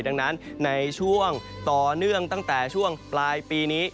ดังนั้นในช่วงต่อเนื่องตั้งแต่ช่วงปลายปีนี้